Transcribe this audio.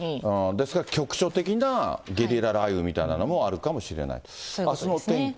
ですから局所的なゲリラ雷雨みたいなのもあるかもしれない。